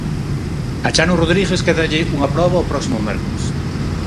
A Chano Rodríguez quédalle unha proba o próximo mércores.